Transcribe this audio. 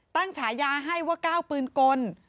ฉายาให้ว่าก้าวปืนกล